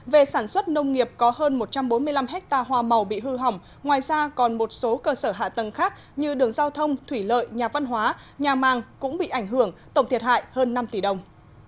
về sản xuất nông nghiệp có hơn một trăm bốn mươi năm ha hoa màu bị hư hỏng ngoài ra còn một số cơ sở hạ tầng khác như đường giao thông thủy lợi nhà văn hóa nhà màng cũng bị ảnh hưởng tổng thiệt hại hơn năm tỷ đồng